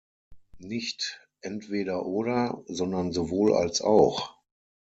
Nicht entweder oder, sondern sowohl als auch!